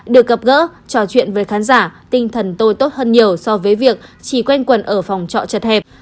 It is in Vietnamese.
được gặp gỡ trò chuyện với khán giả tinh thần tôi tốt hơn nhiều so với việc chỉ quen quần ở phòng trọ chật hẹp